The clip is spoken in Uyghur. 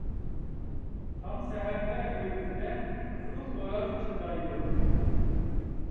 تاڭ سەھەردە ئۆگزىدە، قىزىل خوراز چىللايدۇ.